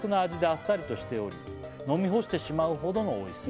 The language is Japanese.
「あっさりとしており飲み干してしまうほどのおいしさ」